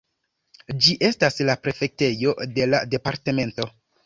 Ĝi estas la prefektejo de la departemento.